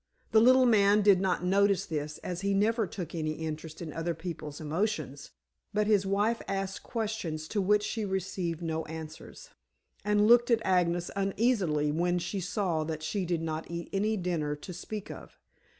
The little man did not notice this, as he never took any interest in other people's emotions, but his wife asked questions to which she received no answers, and looked at Agnes uneasily, when she saw that she did not eat any dinner to speak of.